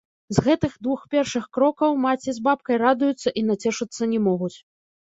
З гэтых двух першых крокаў маці з бабкай радуюцца і нацешыцца не могуць.